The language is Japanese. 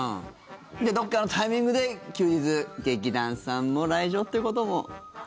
どこかのタイミングで休日劇団さんも来場ということも。